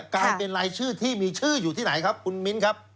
กลายเป็นรายชื่อที่มีชื่ออยู่ที่ไหนครับคุณมิ้นครับ